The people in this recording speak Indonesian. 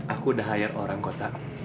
aku udah hire orang kota